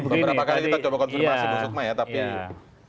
beberapa kali kita coba konfirmasi bu sukma ya tapi